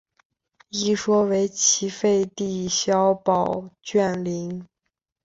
一说为齐废帝萧宝卷陵。